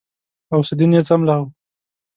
غوث الدين يې څملاوه.